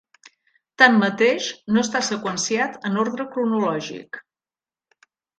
Tanmateix, no està seqüenciat en ordre cronològic.